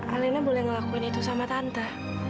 alina boleh ngelakuin itu sama tante